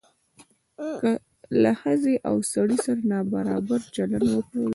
که له ښځې او سړي سره نابرابر چلند ولرو.